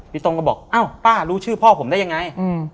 พี่โต้งก็บอกเอ้าป๊ารู้ชื่อพ่อผมได้ยังไง